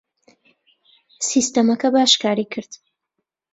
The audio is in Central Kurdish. سیستەمەکە باش کاری کرد.